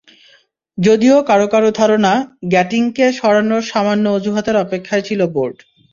যদিও কারও কারও ধারণা, গ্যাটিংকে সরানোর সামান্য অজুহাতের অপেক্ষায় ছিল বোর্ড।